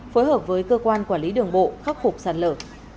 phối hợp với cơ quan quản lý đường bộ khắc phục sạt lở